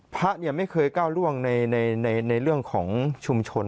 พระไม่เคยก้าวร่วงในเรื่องของชุมชน